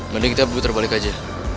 mending kita butuh terbalik aja